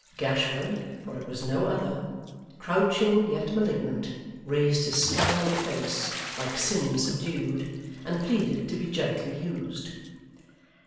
Gashford, for it was no other, crouching yet malignant, raised his scowling face, like sin subdued, and pleaded to be gently used.